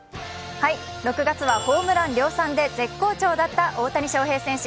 ６月はホームラン量産で絶好調だった大谷選手。